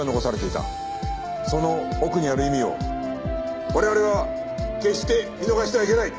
その奥にある意味を我々は決して見逃してはいけない。